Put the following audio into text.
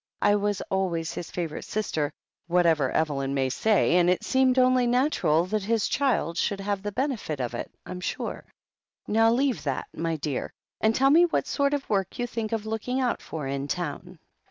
"I was always his favourite sister, whatever Evelyn may say, and it seemed only natural that his child should have the benefit of it, I'm sure. Now leave that, my dear, and tell me what sort of work you think of looking out for in town."